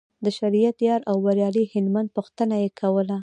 د شریعت یار او بریالي هلمند پوښتنه یې کوله.